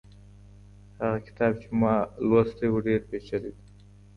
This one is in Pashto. هغه کتاب چي ما لوستی و، ډېر پېچلی و.